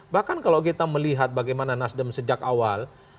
bahkan kalau kita melihat bagaimana nasdem sejak awal